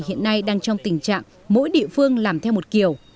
hiện nay đang trong tình trạng mỗi địa phương làm theo một kiểu